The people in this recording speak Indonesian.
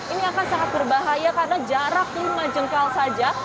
ini akan sangat berbahaya karena jarak lima jengkal saja